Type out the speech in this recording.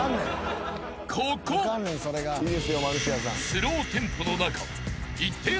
［スローテンポの中］